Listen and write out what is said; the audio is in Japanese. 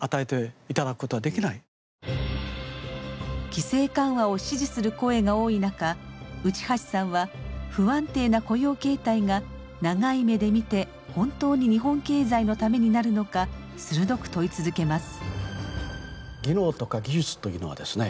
規制緩和を支持する声が多い中内橋さんは不安定な雇用形態が長い目で見て本当に日本経済のためになるのか鋭く問い続けます。